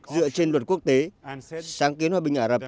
dựa trên luật quốc tế sáng kiến hòa bình ả rập